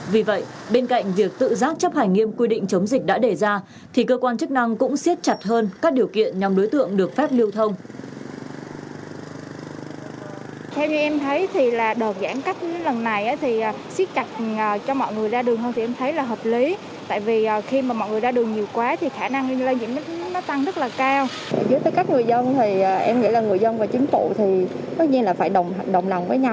vì vậy bên cạnh việc tự giác chấp hành nghiêm quy định chống dịch đã đề ra thì cơ quan chức năng cũng siết chặt hơn các điều kiện nhằm đối tượng được phép lưu thông